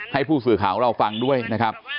ให้ผู้สื่อข่าวของเราฟังด้วยนะครับ